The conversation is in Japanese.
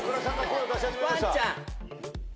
ワンちゃん。